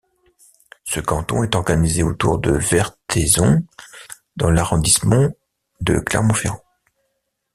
Ce canton est organisé autour de Vertaizon dans l'arrondissement de Clermont-Ferrand.